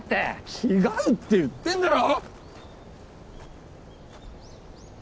違うって言ってんだろ！